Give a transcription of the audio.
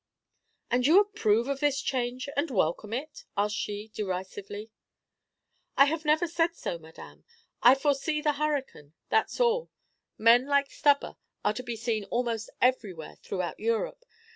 "And you approve of this change, and welcome it?" asked she, derisively. "I have never said so, madame. I foresee the hurricane, that's all. Men like Stubber are to be seen almost everywhere throughout Europe.